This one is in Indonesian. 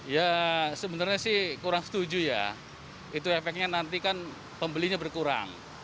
ya sebenarnya sih kurang setuju ya itu efeknya nanti kan pembelinya berkurang